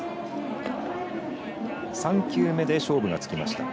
３球目で勝負がつきました。